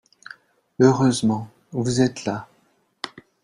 Heureusement, vous êtes là